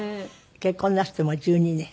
結婚なすってもう１２年。